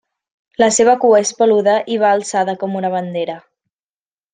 La seva cua és peluda i va alçada com una bandera.